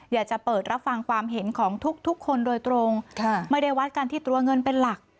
อยากจะเปิดรับฟังความเห็นของทุกคนโดยตรงไม่ได้วัดกันที่ตัวเงินเป็นหลัก